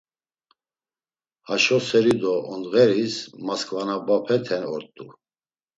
Haşo seri do ondğeris msǩvanobapete ort̆u.